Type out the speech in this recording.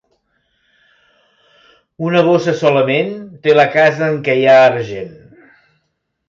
Una bossa solament té la casa en què hi ha argent.